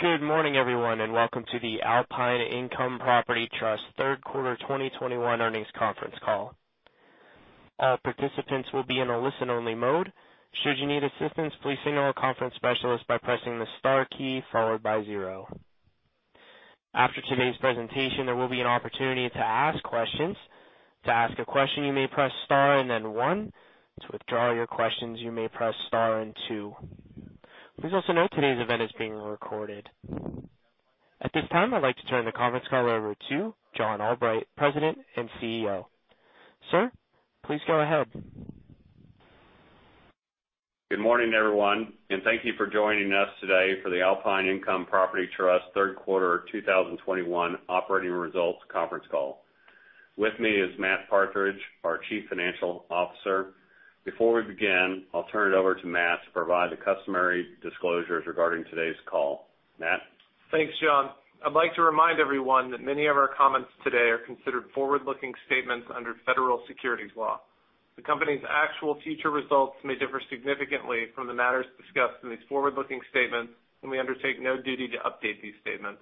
Good morning, everyone, and welcome to the Alpine Income Property Trust third quarter 2021 earnings conference call. All participants will be in a listen-only mode. Should you need assistance, please signal a conference specialist by pressing the star key followed by zero. After today's presentation, there will be an opportunity to ask questions. To ask a question, you may press star and then one. To withdraw your questions, you may press star and two. Please also note today's event is being recorded. At this time, I'd like to turn the conference call over to John Albright, President and CEO. Sir, please go ahead. Good morning, everyone, and thank you for joining us today for the Alpine Income Property Trust third quarter 2021 operating results conference call. With me is Matt Partridge, our Chief Financial Officer. Before we begin, I'll turn it over to Matt to provide the customary disclosures regarding today's call. Matt? Thanks, John. I'd like to remind everyone that many of our comments today are considered forward-looking statements under federal securities law. The company's actual future results may differ significantly from the matters discussed in these forward-looking statements, and we undertake no duty to update these statements.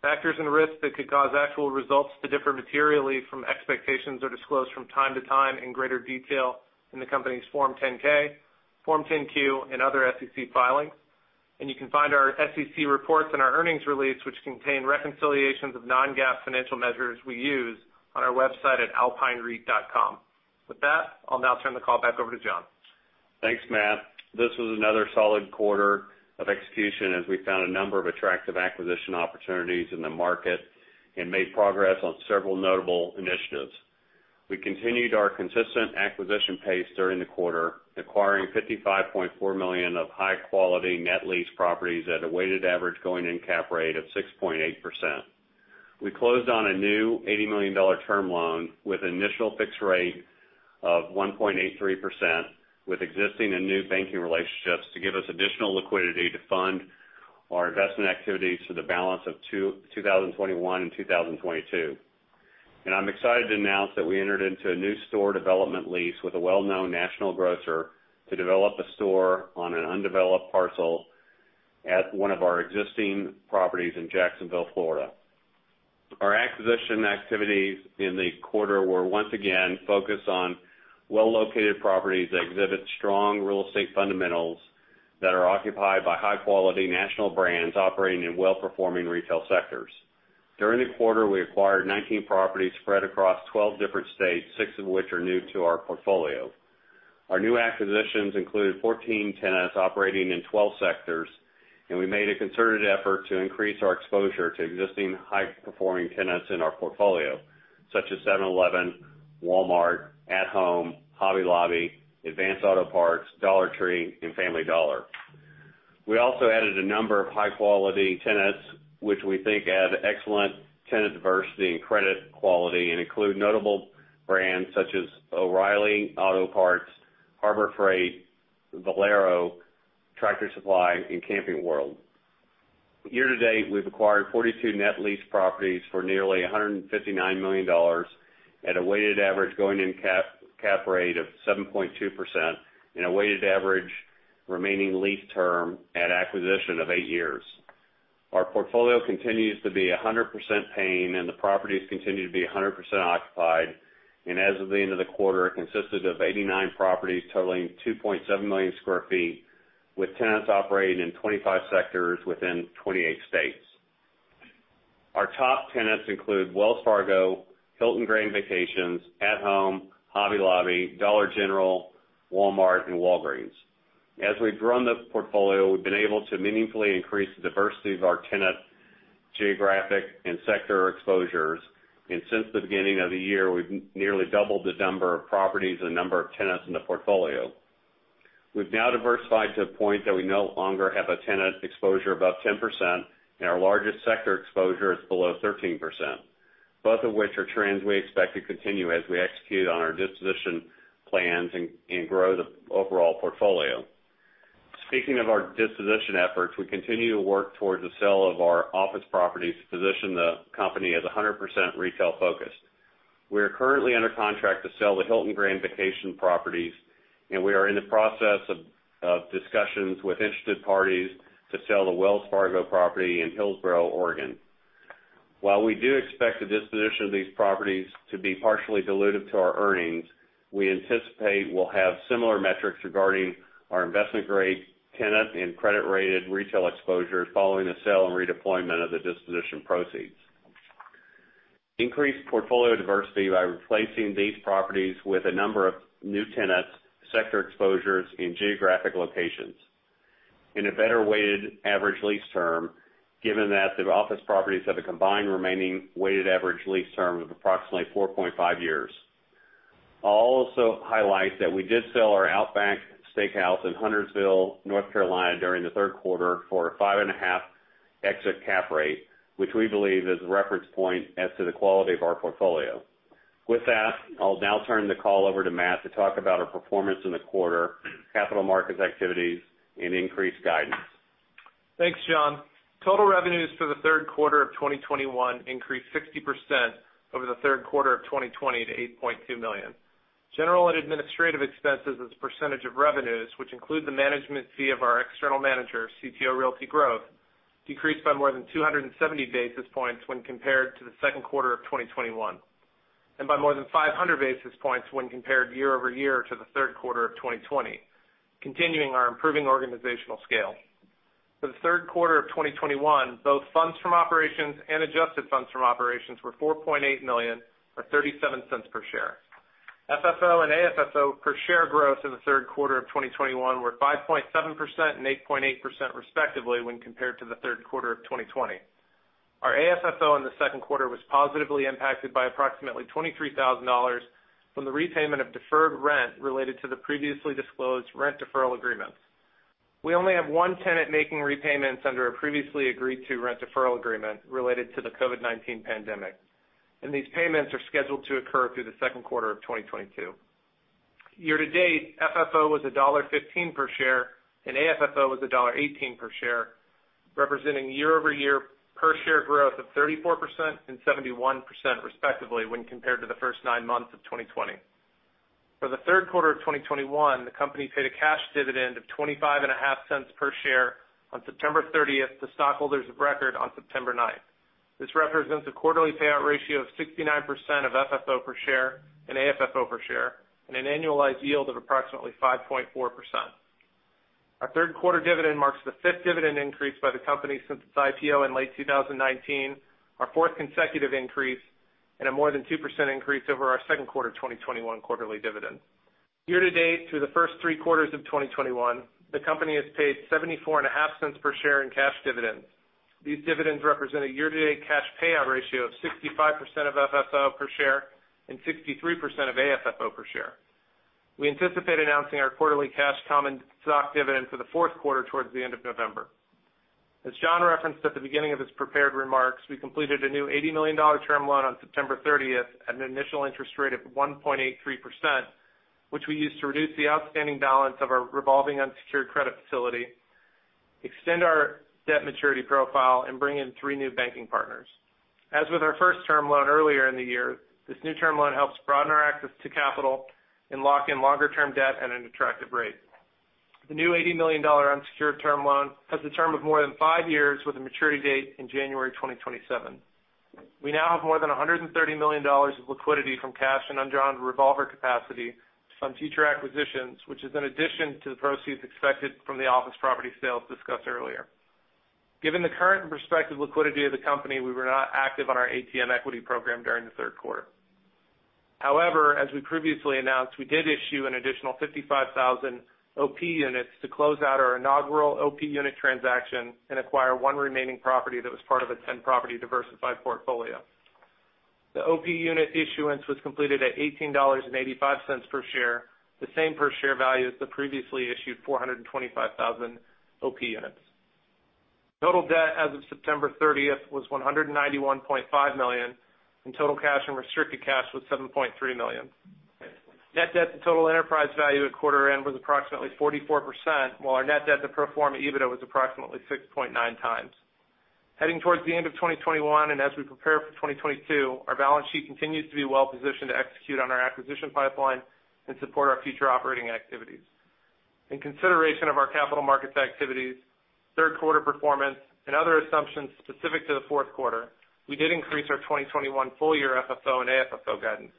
Factors and risks that could cause actual results to differ materially from expectations are disclosed from time to time in greater detail in the company's Form 10-K, Form 10-Q, and other SEC filings. You can find our SEC reports and our earnings release, which contain reconciliations of non-GAAP financial measures we use on our website at alpinereit.com. With that, I'll now turn the call back over to John. Thanks, Matt. This was another solid quarter of execution as we found a number of attractive acquisition opportunities in the market and made progress on several notable initiatives. We continued our consistent acquisition pace during the quarter, acquiring $55.4 million of high-quality net lease properties at a weighted average going-in cap rate of 6.8%. We closed on a new $80 million term loan with initial fixed rate of 1.83% with existing and new banking relationships to give us additional liquidity to fund our investment activities for the balance of 2021 and 2022. I'm excited to announce that we entered into a new store development lease with a well-known national grocer to develop a store on an undeveloped parcel at one of our existing properties in Jacksonville, Florida. Our acquisition activities in the quarter were once again focused on well-located properties that exhibit strong real estate fundamentals that are occupied by high-quality national brands operating in well-performing retail sectors. During the quarter, we acquired 19 properties spread across 12 different states, six of which are new to our portfolio. Our new acquisitions included 14 tenants operating in 12 sectors, and we made a concerted effort to increase our exposure to existing high-performing tenants in our portfolio, such as 7-Eleven, Walmart, At Home, Hobby Lobby, Advance Auto Parts, Dollar Tree, and Family Dollar. We also added a number of high-quality tenants, which we think add excellent tenant diversity and credit quality and include notable brands such as O'Reilly Auto Parts, Harbor Freight, Valero, Tractor Supply, and Camping World. Year to date, we've acquired 42 net lease properties for nearly $159 million at a weighted average going-in cap rate of 7.2% and a weighted average remaining lease term at acquisition of eight years. Our portfolio continues to be 100% paying, and the properties continue to be 100% occupied, and as of the end of the quarter, it consisted of 89 properties totaling 2.7 million sq ft, with tenants operating in 25 sectors within 28 states. Our top tenants include Wells Fargo, Hilton Grand Vacations, At Home, Hobby Lobby, Dollar General, Walmart, and Walgreens. As we've grown the portfolio, we've been able to meaningfully increase the diversity of our tenant geographic and sector exposures. Since the beginning of the year, we've nearly doubled the number of properties and number of tenants in the portfolio. We've now diversified to a point that we no longer have a tenant exposure above 10%, and our largest sector exposure is below 13%, both of which are trends we expect to continue as we execute on our disposition plans and grow the overall portfolio. Speaking of our disposition efforts, we continue to work towards the sale of our office properties to position the company as 100% retail focused. We are currently under contract to sell the Hilton Grand Vacations properties, and we are in the process of discussions with interested parties to sell the Wells Fargo property in Hillsboro, Oregon. While we do expect the disposition of these properties to be partially dilutive to our earnings, we anticipate we'll have similar metrics regarding our investment grade tenant and credit-rated retail exposure following the sale and redeployment of the disposition proceeds. Increased portfolio diversity by replacing these properties with a number of new tenants, sector exposures in geographic locations in a better weighted average lease term, given that the office properties have a combined remaining weighted average lease term of approximately 4.5 years. I'll also highlight that we did sell our Outback Steakhouse in Huntersville, North Carolina during the third quarter for a five and a half exit cap rate, which we believe is a reference point as to the quality of our portfolio. With that, I'll now turn the call over to Matt to talk about our performance in the quarter, capital markets activities, and increased guidance. Thanks, John. Total revenues for the third quarter of 2021 increased 60% over the third quarter of 2020 to $8.2 million. General and administrative expenses as a percentage of revenues, which include the management fee of our external manager, CTO Realty Growth, decreased by more than 270 basis points when compared to the second quarter of 2021, and by more than 500 basis points when compared year-over-year to the third quarter of 2020, continuing our improving organizational scale. For the third quarter of 2021, both funds from operations and adjusted funds from operations were $4.8 million, or $0.37 per share. FFO and AFFO per share growth in the third quarter of 2021 were 5.7% and 8.8% respectively when compared to the third quarter of 2020. Our AFFO in the second quarter was positively impacted by approximately $23,000 from the repayment of deferred rent related to the previously disclosed rent deferral agreements. We only have one tenant making repayments under a previously agreed to rent deferral agreement related to the COVID-19 pandemic, and these payments are scheduled to occur through the second quarter of 2022. Year-to-date, FFO was $1.15 per share, and AFFO was $1.18 per share, representing year-over-year per share growth of 34% and 71% respectively when compared to the first nine months of 2020. For the third quarter of 2021, the company paid a cash dividend of $0.255 per share on September 30th to stockholders of record on September 9th. This represents a quarterly payout ratio of 69% of FFO per share and AFFO per share, and an annualized yield of approximately 5.4%. Our third quarter dividend marks the fifth dividend increase by the company since its IPO in late 2019, our fourth consecutive increase, and a more than 2% increase over our second quarter 2021 quarterly dividend. Year to date, through the first three quarters of 2021, the company has paid $0.745 per share in cash dividends. These dividends represent a year to date cash payout ratio of 65% of FFO per share and 63% of AFFO per share. We anticipate announcing our quarterly cash common stock dividend for the fourth quarter towards the end of November. As John referenced at the beginning of his prepared remarks, we completed a new $80 million term loan on September 30th at an initial interest rate of 1.83%, which we used to reduce the outstanding balance of our revolving unsecured credit facility, extend our debt maturity profile, and bring in three new banking partners. As with our first term loan earlier in the year, this new term loan helps broaden our access to capital and lock in longer term debt at an attractive rate. The new $80 million unsecured term loan has a term of more than five years with a maturity date in January 2027. We now have more than $130 million of liquidity from cash and undrawn revolver capacity to fund future acquisitions, which is in addition to the proceeds expected from the office property sales discussed earlier. Given the current and prospective liquidity of the company, we were not active on our ATM equity program during the third quarter. As we previously announced, we did issue an additional 55,000 OP units to close out our inaugural OP unit transaction and acquire one remaining property that was part of a 10 property diversified portfolio. The OP unit issuance was completed at $18.85 per share, the same per share value as the previously issued 425,000 OP units. Total debt as of September 30th was $191.5 million, and total cash and restricted cash was $7.3 million. Net debt to total enterprise value at quarter end was approximately 44%, while our net debt to pro forma EBITDA was approximately 6.9x. Heading towards the end of 2021, and as we prepare for 2022, our balance sheet continues to be well positioned to execute on our acquisition pipeline and support our future operating activities. In consideration of our capital markets activities, third quarter performance, and other assumptions specific to the fourth quarter, we did increase our 2021 full year FFO and AFFO guidance.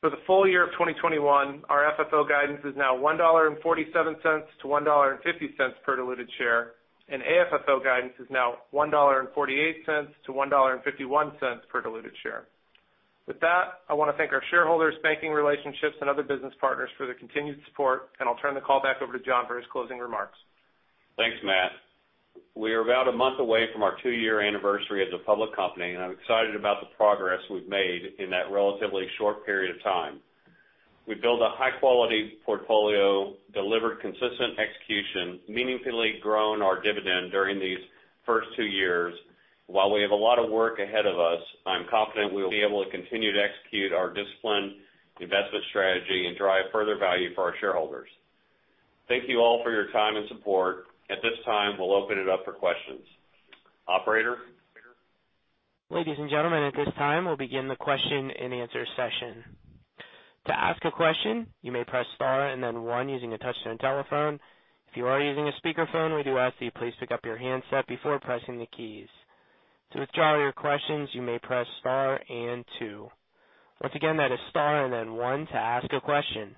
For the full year of 2021, our FFO guidance is now $1.47-$1.50 per diluted share, and AFFO guidance is now $1.48-$1.51 per diluted share. With that, I want to thank our shareholders, banking relationships, and other business partners for their continued support, and I'll turn the call back over to John for his closing remarks. Thanks, Matt. We are about a month away from our two-year anniversary as a public company, and I'm excited about the progress we've made in that relatively short period of time. We've built a high-quality portfolio, delivered consistent execution, meaningfully grown our dividend during these first two years. While we have a lot of work ahead of us, I'm confident we will be able to continue to execute our disciplined investment strategy and drive further value for our shareholders. Thank you all for your time and support. At this time, we'll open it up for questions. Operator? Ladies and gentlemen, at this time we'll begin the question and answer session. To ask a question, you may press star and then one using a touch-tone telephone. If you are using a speakerphone, we do ask that you please pick up your handset before pressing the keys. To withdraw your questions, you may press star and two. Once again, that is star and then one to ask a question.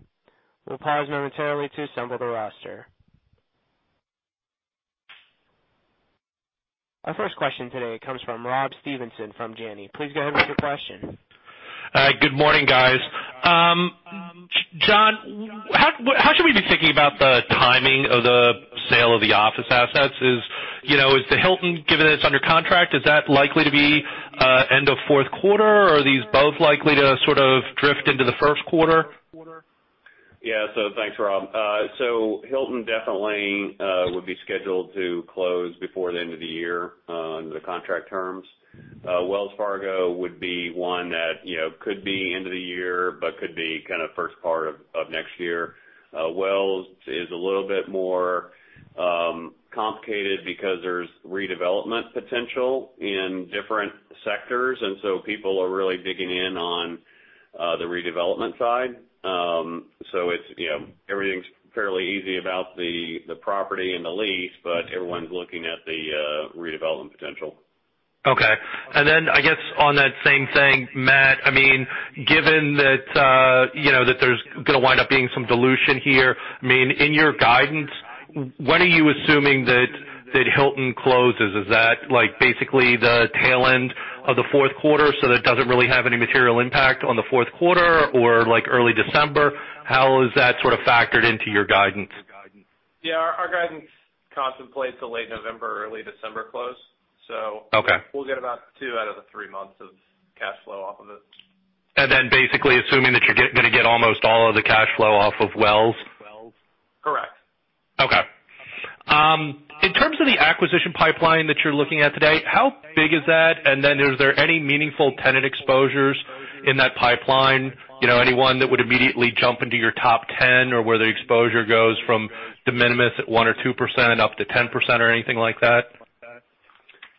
We'll pause momentarily to assemble the roster. Our first question today comes from Rob Stevenson from Janney. Please go ahead with your question. Good morning, guys. John, how should we be thinking about the timing of the sale of the office assets? Is the Hilton, given that it's under contract, is that likely to be end of fourth quarter, or are these both likely to sort of drift into the first quarter? Yeah. Thanks, Rob. Hilton definitely would be scheduled to close before the end of the year under the contract terms. Wells Fargo would be one that could be end of the year, but could be kind of first part of next year. Wells is a little bit more complicated because there's redevelopment potential in different sectors, and so people are really digging in on the redevelopment side. Everything's fairly easy about the property and the lease, but everyone's looking at the redevelopment potential. Okay. I guess on that same thing, Matt, given that there's going to wind up being some dilution here, in your guidance, when are you assuming that Hilton closes? Is that basically the tail end of the fourth quarter so that it doesn't really have any material impact on the fourth quarter, or early December? How is that sort of factored into your guidance? Yeah. Our guidance contemplates a late November, early December close. Okay. we'll get about two out of the three months of cash flow off of it. Basically assuming that you're going to get almost all of the cash flow off of Wells Fargo? Correct. Okay. In terms of the acquisition pipeline that you're looking at today, how big is that? Is there any meaningful tenant exposures in that pipeline? Anyone that would immediately jump into your top 10 or where the exposure goes from de minimis at 1% or 2% up to 10% or anything like that?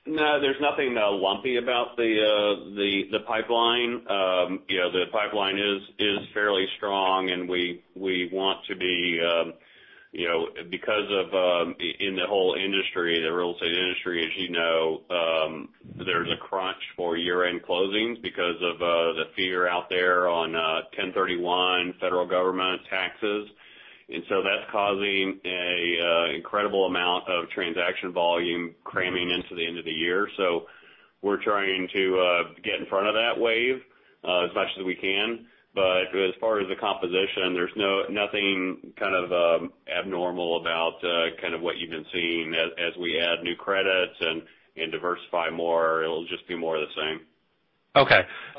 No, there's nothing lumpy about the pipeline. The pipeline is fairly strong, and we want to be In the whole industry, the real estate industry, as you know there's a crunch for year-end closings because of the fear out there on 1031 federal government taxes. That's causing an incredible amount of transaction volume cramming into the end of the year. We're trying to get in front of that wave as much as we can. As far as the composition, there's nothing kind of abnormal about what you've been seeing. As we add new credits and diversify more, it'll just be more of the same.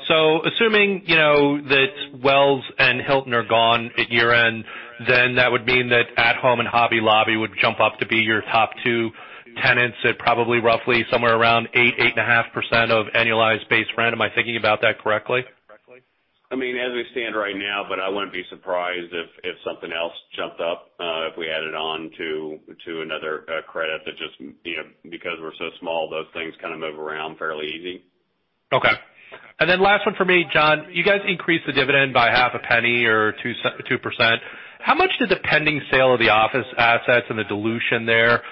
Assuming that Wells and Hilton are gone at year-end, then that would mean that At Home and Hobby Lobby would jump up to be your top two tenants at probably roughly somewhere around 8%-8.5% of annualized base rent. Am I thinking about that correctly? As we stand right now, but I wouldn't be surprised if something else jumped up if we added on to another credit that just, because we're so small, those things kind of move around fairly easy. Okay. Last one from me, John. You guys increased the dividend by half a penny or 2%. How much did the pending sale of the office assets and the dilution there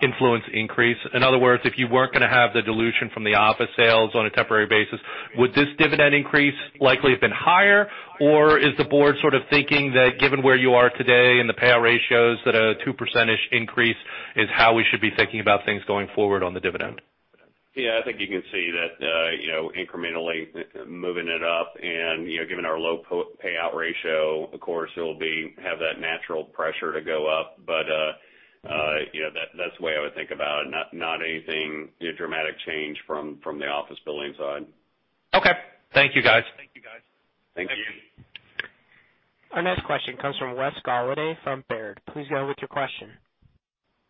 influence the increase? In other words, if you weren't going to have the dilution from the office sales on a temporary basis, would this dividend increase likely have been higher? Is the board sort of thinking that given where you are today and the payout ratios, that a 2% increase is how we should be thinking about things going forward on the dividend? Yeah, I think you can see that incrementally moving it up and given our low payout ratio, of course it'll have that natural pressure to go up. That's the way I would think about it, not anything dramatic change from the office building side. Okay. Thank you, guys. Thank you. Thank you. Our next question comes from Wes Golladay from Baird. Please go with your question.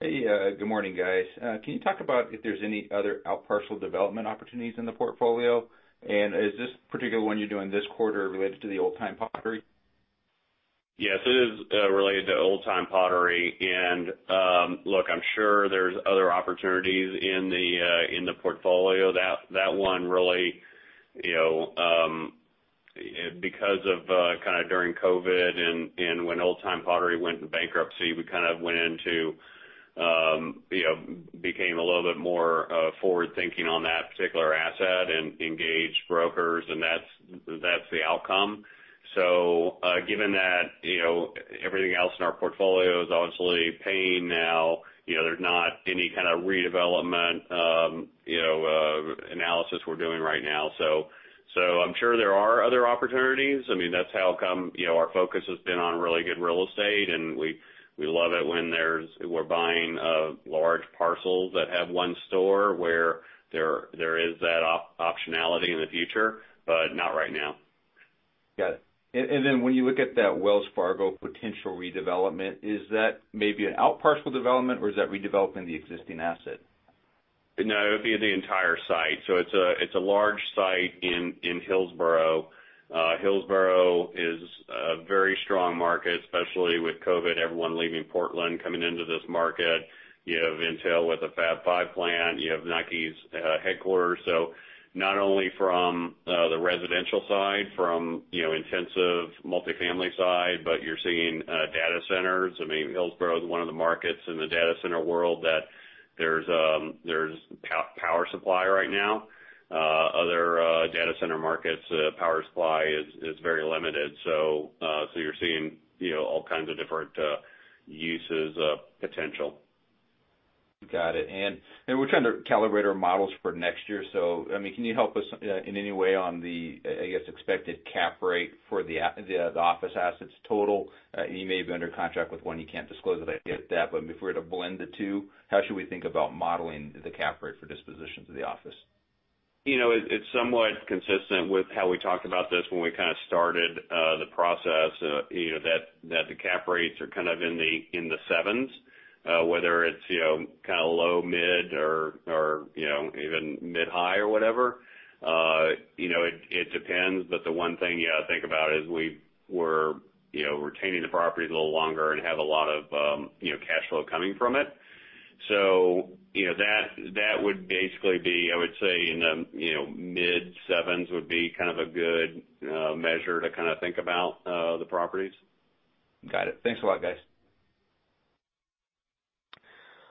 Hey, good morning, guys. Can you talk about if there's any other out parcel development opportunities in the portfolio? Is this particular one you're doing this quarter related to the Old Time Pottery? Yes, it is related to Old Time Pottery. Look, I'm sure there's other opportunities in the portfolio. That one really, because of kind of during COVID and when Old Time Pottery went into bankruptcy, we kind of became a little bit more forward-thinking on that particular asset and engaged brokers, and that's the outcome. Given that everything else in our portfolio is obviously paying now, there's not any kind of redevelopment analysis we're doing right now. I'm sure there are other opportunities. That's how come our focus has been on really good real estate, and we love it when we're buying large parcels that have one store where there is that optionality in the future, but not right now. When you look at that Wells Fargo potential redevelopment, is that maybe an out parcel development, or is that redeveloping the existing asset? No, it would be the entire site. It's a large site in Hillsboro. Hillsboro is a very strong market, especially with COVID, everyone leaving Portland, coming into this market. You have Intel with a Fab Five plant. You have Nike's headquarters. Not only from the residential side, from intensive multifamily side, but you're seeing data centers. Hillsboro is one of the markets in the data center world that there's power supply right now. Other data center markets, power supply is very limited. You're seeing all kinds of different uses potential. Got it. We're trying to calibrate our models for next year. Can you help us in any way on the, I guess, expected cap rate for the office assets total? You may be under contract with one, you can't disclose it, I get that. If we were to blend the two, how should we think about modeling the cap rate for dispositions of the office? It's somewhat consistent with how we talked about this when we kind of started the process, that the cap rates are kind of in the 7s, whether it's low, mid, or even mid-high or whatever. It depends, but the one thing you got to think about is we're retaining the properties a little longer and have a lot of cash flow coming from it. That would basically be, I would say, mid-7s would be kind of a good measure to kind of think about the properties. Got it. Thanks a lot, guys.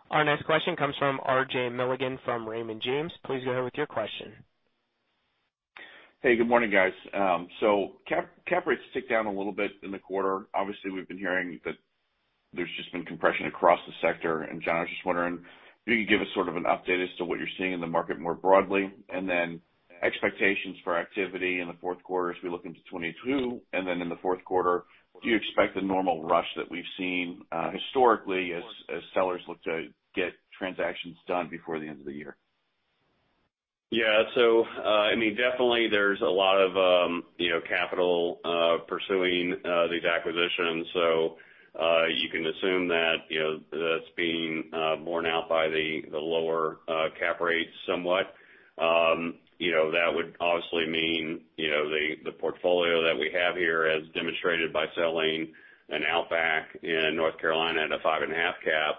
Our next question comes from RJ Milligan from Raymond James. Please go ahead with your question. Hey, good morning, guys. Cap rates tick down a little bit in the quarter. Obviously, we've been hearing that there's just been compression across the sector, John, I was just wondering if you could give us sort of an update as to what you're seeing in the market more broadly, expectations for activity in the fourth quarter as we look into 2022, in the fourth quarter, do you expect the normal rush that we've seen historically as sellers look to get transactions done before the end of the year? Yeah. Definitely, there's a lot of capital pursuing these acquisitions, so you can assume that that's being borne out by the lower cap rates somewhat. That would obviously mean the portfolio that we have here, as demonstrated by selling an Outback in North Carolina at a five and a half cap.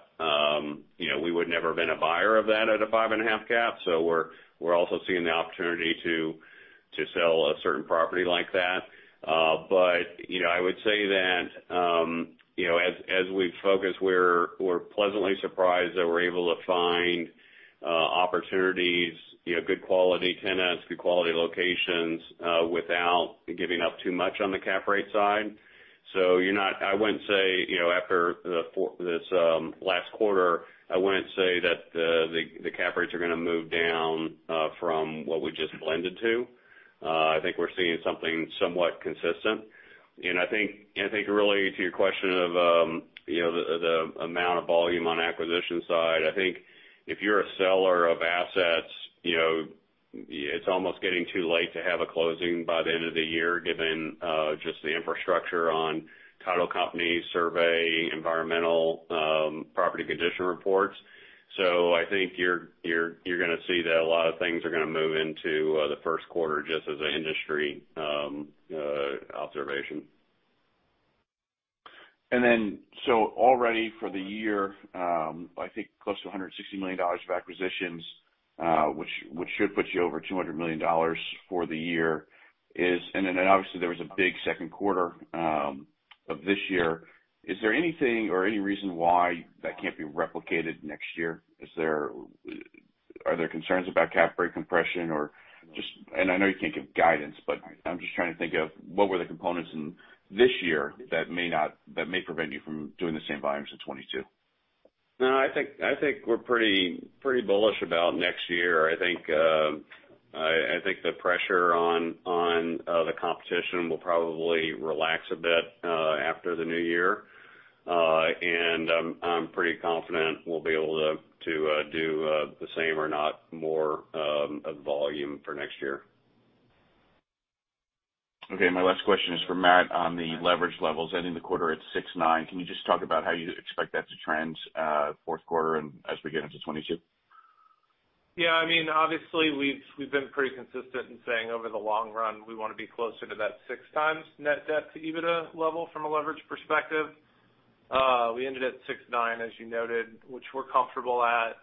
We would never have been a buyer of that at a five and a half cap, so we're also seeing the opportunity to sell a certain property like that. I would say that as we focus, we're pleasantly surprised that we're able to find opportunities, good quality tenants, good quality locations, without giving up too much on the cap rate side. I wouldn't say after this last quarter, I wouldn't say that the cap rates are going to move down from what we just blended to. I think we're seeing something somewhat consistent. I think, really, to your question of the amount of volume on acquisition side, I think if you're a seller of assets, it's almost getting too late to have a closing by the end of the year, given just the infrastructure on title companies, survey, environmental property condition reports. I think you're going to see that a lot of things are going to move into the first quarter, just as an industry observation. Already for the year, I think close to $160 million of acquisitions, which should put you over $200 million for the year. Obviously, there was a big second quarter of this year. Is there anything or any reason why that can't be replicated next year? Are there concerns about cap rate compression or just and I know you can't give guidance, but I'm just trying to think of what were the components in this year that may prevent you from doing the same volumes in 2022. No, I think we're pretty bullish about next year. I think the pressure on the competition will probably relax a bit after the new year. I'm pretty confident we'll be able to do the same or not more of volume for next year. Okay. My last question is for Matt on the leverage levels ending the quarter at 6.9. Can you just talk about how you expect that to trend fourth quarter and as we get into 2022? Yeah. Obviously, we've been pretty consistent in saying over the long run, we want to be closer to that 6 times net debt to EBITDA level from a leverage perspective. We ended at 6.9, as you noted, which we're comfortable at.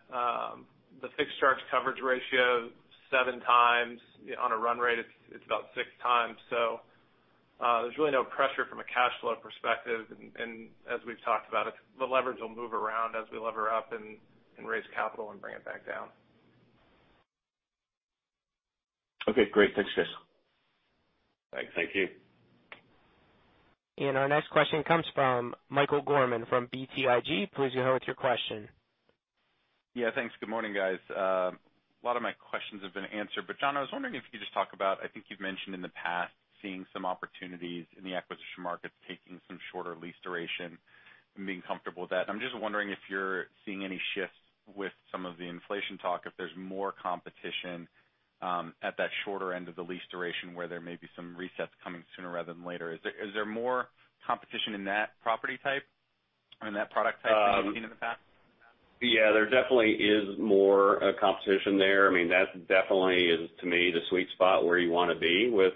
The fixed charge coverage ratio, 7x. On a run rate, it's about 6x. There's really no pressure from a cash flow perspective. As we've talked about, the leverage will move around as we lever up and raise capital and bring it back down. Okay, great. Thanks, guys. Thanks. Thank you. Our next question comes from Michael Gorman from BTIG. Please go ahead with your question. Yeah, thanks. Good morning, guys. A lot of my questions have been answered, but John, I was wondering if you could just talk about, I think you've mentioned in the past seeing some opportunities in the acquisition market, taking some shorter lease duration and being comfortable with that. I'm just wondering if you're seeing any shifts with some of the inflation talk, if there's more competition at that shorter end of the lease duration where there may be some resets coming sooner rather than later. Is there more competition in that property type, in that product type than you've seen in the past? Yeah, there definitely is more competition there. That definitely is, to me, the sweet spot where you want to be with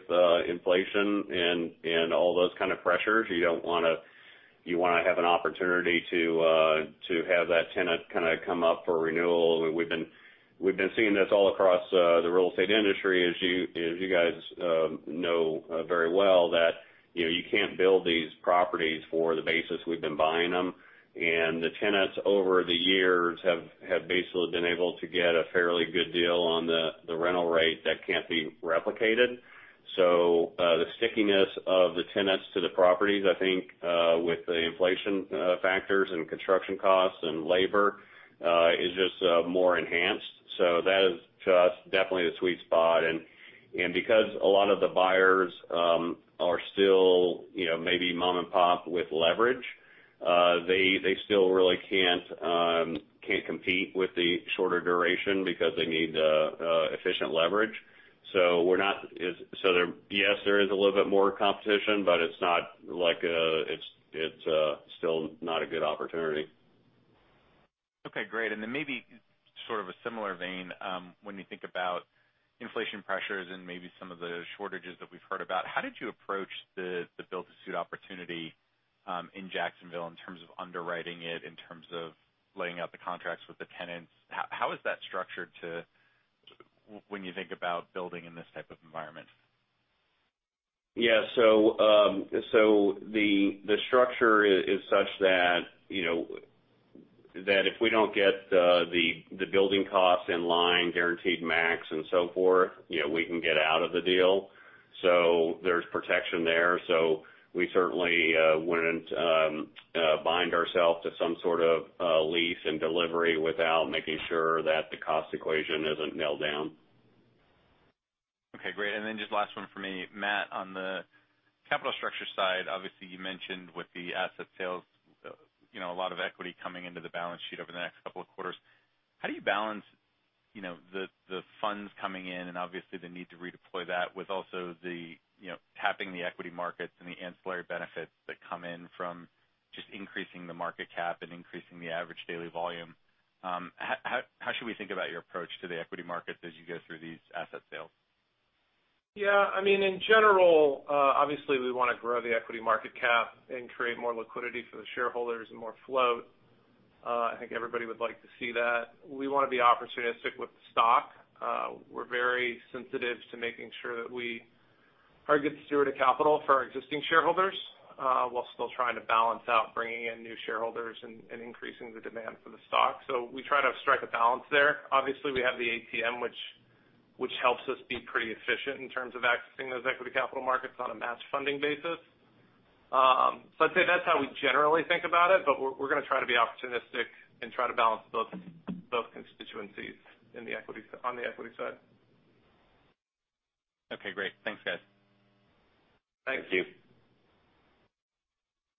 inflation and all those kind of pressures. You want to have an opportunity to have that tenant kind of come up for renewal. We've been seeing this all across the real estate industry, as you guys know very well, that you can't build these properties for the basis we've been buying them. The tenants over the years have basically been able to get a fairly good deal on the rental rate that can't be replicated. The stickiness of the tenants to the properties, I think, with the inflation factors and construction costs and labor, is just more enhanced. That is just definitely the sweet spot. Because a lot of the buyers are still maybe mom and pop with leverage, they still really can't compete with the shorter duration because they need efficient leverage. Yes, there is a little bit more competition, but it's still not a good opportunity. Okay, great. Maybe sort of a similar vein, when you think about inflation pressures and maybe some of the shortages that we've heard about, how did you approach the build-to-suit opportunity in Jacksonville in terms of underwriting it, in terms of laying out the contracts with the tenants? How is that structured when you think about building in this type of environment? Yeah. The structure is such that if we don't get the building costs in line, guaranteed max and so forth, we can get out of the deal. There's protection there. We certainly wouldn't bind ourselves to some sort of lease and delivery without making sure that the cost equation isn't nailed down. Okay, great. Just last one for me. Matt, on the capital structure side, obviously you mentioned with the asset sales, a lot of equity coming into the balance sheet over the next two quarters. How do you balance the funds coming in and obviously the need to redeploy that with also the tapping the equity markets and the ancillary benefits that come in from just increasing the market cap and increasing the average daily volume? How should we think about your approach to the equity markets as you go through these asset sales? Yeah. In general, obviously we want to grow the equity market cap and create more liquidity for the shareholders and more flow. I think everybody would like to see that. We want to be opportunistic with stock. We're very sensitive to making sure that we are a good steward of capital for our existing shareholders, while still trying to balance out bringing in new shareholders and increasing the demand for the stock. We try to strike a balance there. Obviously, we have the ATM, which helps us be pretty efficient in terms of accessing those equity capital markets on a match funding basis. I'd say that's how we generally think about it, but we're going to try to be opportunistic and try to balance both constituencies on the equity side. Okay, great. Thanks, guys. Thank you.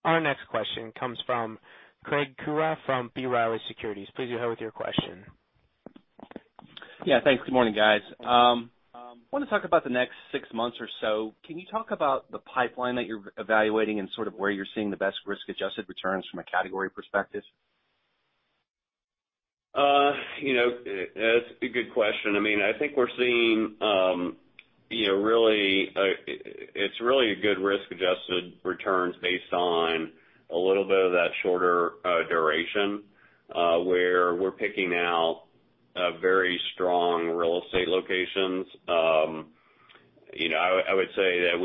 Our next question comes from Craig Kucera from B. Riley Securities. Please go ahead with your question. Yeah, thanks. Good morning, guys. I want to talk about the next six months or so. Can you talk about the pipeline that you're evaluating and sort of where you're seeing the best risk-adjusted returns from a category perspective? That's a good question. I think we're seeing it's really a good risk-adjusted returns based on a little bit of that shorter duration, where we're picking out very strong real estate locations. I would say that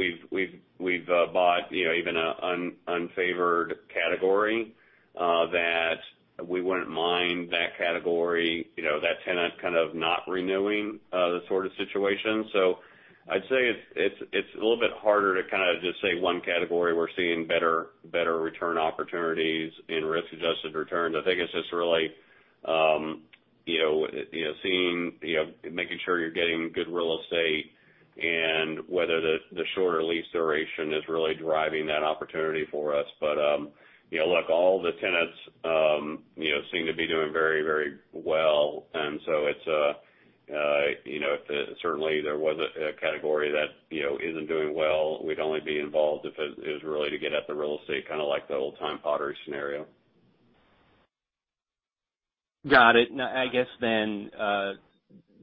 we've bought even an unfavored category that we wouldn't mind that category, that tenant kind of not renewing the sort of situation. I'd say it's a little bit harder to kind of just say one category we're seeing better return opportunities in risk-adjusted returns. Look, all the tenants seem to be doing very well. Certainly if there was a category that isn't doing well, we'd only be involved if it was really to get at the real estate, kind of like the Old Time Pottery scenario. Got it. I guess then,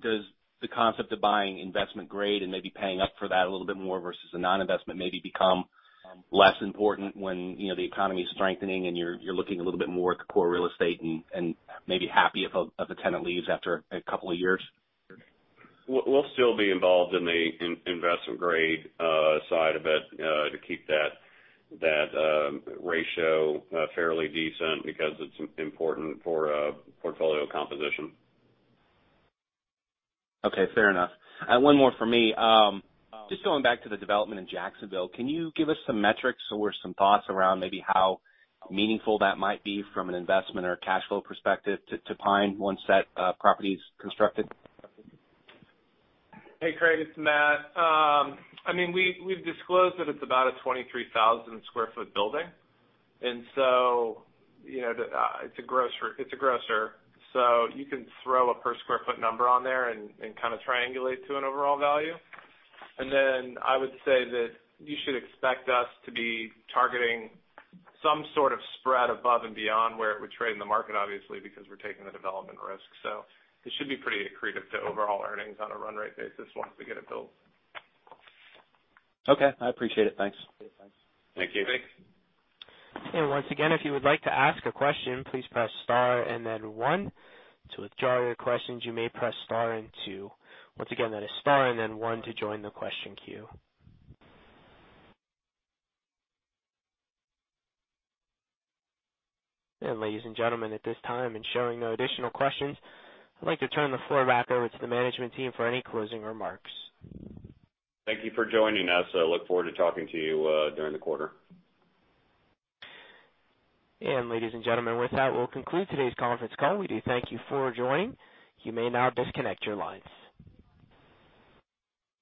does the concept of buying investment grade and maybe paying up for that a little bit more versus a non-investment maybe become less important when the economy is strengthening and you're looking a little bit more at the core real estate and maybe happy if a tenant leaves after a couple of years? We'll still be involved in the investment grade side of it to keep that ratio fairly decent because it's important for portfolio composition. Okay, fair enough. One more from me. Going back to the development in Jacksonville, can you give us some metrics or some thoughts around maybe how meaningful that might be from an investment or cash flow perspective to Pine once that property is constructed? Hey, Craig, it's Matt. We've disclosed that it's about a 23,000 sq ft building, it's a grocer. You can throw a per sq ft number on there and kind of triangulate to an overall value. I would say that you should expect us to be targeting some sort of spread above and beyond where it would trade in the market, obviously, because we're taking the development risk. It should be pretty accretive to overall earnings on a run rate basis once we get it built. Okay, I appreciate it. Thanks. Thank you. Thanks. Once again, if you would like to ask a question, please press star and then one. To withdraw your questions, you may press star and two. Once again, that is star and then one to join the question queue. Ladies and gentlemen, at this time, showing no additional questions, I'd like to turn the floor back over to the management team for any closing remarks. Thank you for joining us. I look forward to talking to you during the quarter. Ladies and gentlemen, with that, we'll conclude today's conference call. We do thank you for joining. You may now disconnect your lines.